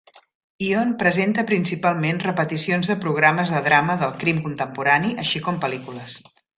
Ion presenta principalment repeticions de programes de drama del crim contemporani, així com pel·lícules.